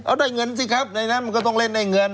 เอาได้เงินสิครับในนั้นมันก็ต้องเล่นได้เงิน